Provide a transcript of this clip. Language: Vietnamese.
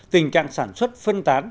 tình trạng sản xuất phân tán